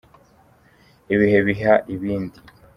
Ibihe biha ibindi.